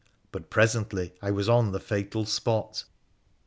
But presently I was on the fatal spot.